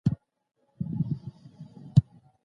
د افغان واکمنۍ لمنه د کارپوهانو په لاس جوړه شوه.